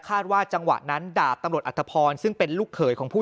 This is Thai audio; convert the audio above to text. ว่าจังหวะนั้นดาบตำรวจอัธพรซึ่งเป็นลูกเขยของผู้